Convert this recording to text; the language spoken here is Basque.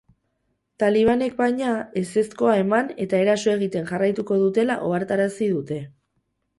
Talibanek, baina, ezezkoa eman eta eraso egiten jarraituko dutela ohartarazi dute.